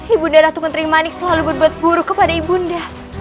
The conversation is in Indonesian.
ibu nda ratu kentri manik selalu berbuat buruk kepada ibu nda